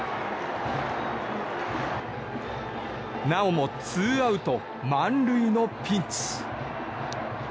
なおもツーアウト満塁のピンチ。